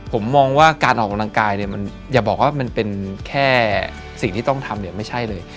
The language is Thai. ผมมองว่าการออกกำลังกายเนี่ยมันอย่าบอกว่ามันเป็นแค่สิ่งที่ต้องทำเนี่ยไม่ใช่เลย